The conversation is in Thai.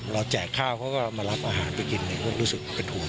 แจกข้าวเขาก็มารับอาหารไปกินก็รู้สึกเป็นห่วง